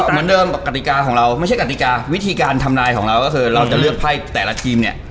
เหมือนเดิมกติกาของเราไม่ใช่กติกาวิธีการทำนายของเราก็คือเราจะเลือกไพ่แต่ละทีมเนี่ย